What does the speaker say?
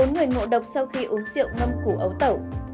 bốn người ngộ độc sau khi uống rượu ngâm củ ấu tẩu